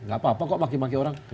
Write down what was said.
gak apa apa kok maki maki orang